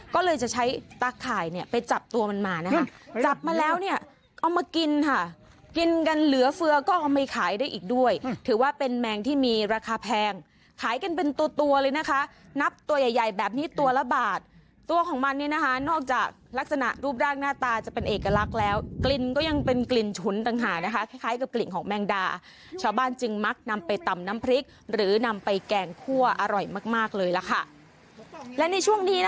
ก็เลยจะใช้ตักข่ายเนี่ยไปจับตัวมันมานะคะจับมาแล้วเนี่ยเอามากินค่ะกินกันเหลือเฟือก็เอาไปขายได้อีกด้วยถือว่าเป็นแมงที่มีราคาแพงขายกันเป็นตัวเลยนะคะนับตัวใหญ่แบบนี้ตัวละบาทตัวของมันนี่นะคะนอกจากลักษณะรูปรากหน้าตาจะเป็นเอกลักษณ์แล้วกลิ่นก็ยังเป็นกลิ่นฉุนตังหานะคะคล้ายกับกลิ่